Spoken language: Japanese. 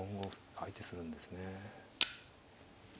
相手するんですね。